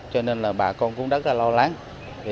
cho nên là bà con cũng rất là lo lắng